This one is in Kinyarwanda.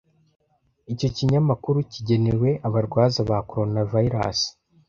Icyo kinyamakuru kigenewe abarwaza ba Coronavirus.